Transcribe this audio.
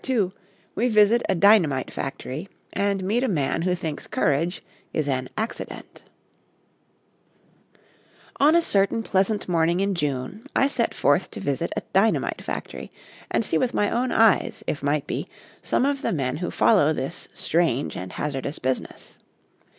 II WE VISIT A DYNAMITE FACTORY AND MEET A MAN WHO THINKS COURAGE IS AN ACCIDENT ON a certain pleasant morning in June, I set forth to visit a dynamite factory, and see with my own eyes, if might be, some of the men who follow this strange and hazardous business.